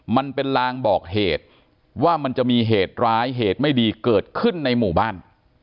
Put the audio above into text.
มันเป็นลางบอกเหตุว่ามันจะมีเหตุร้ายเหตุไม่ดีเกิดขึ้นในหมู่บ้าน